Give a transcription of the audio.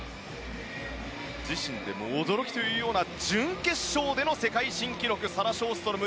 自身でも驚きというような準決勝での世界新記録サラ・ショーストロム